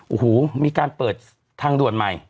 อูหูมีการเปิดทางรวดใหม่